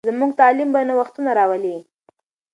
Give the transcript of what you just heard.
زموږ تعلیم به نوښتونه راولي.